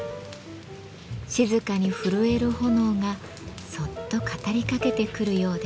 静かに震える炎がそっと語りかけてくるようです。